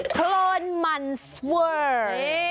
โครนมันสเวอร์